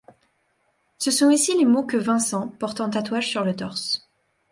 Ce sont aussi les mots que Vincent porte en tatouage sur le torse.